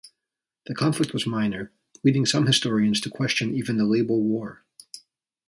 The conflict was minor, leading some historians to question even the label war.